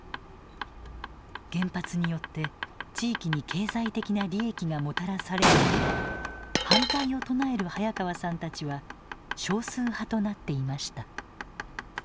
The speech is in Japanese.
原発によって地域に経済的な利益がもたらされる中反対を唱える早川さんたちは少数派となっていました。